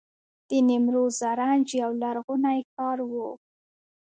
د نیمروز زرنج یو لرغونی ښار و